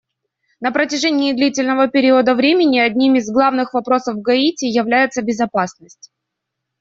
На протяжении длительного периода времени одним из главных вопросов в Гаити является безопасность.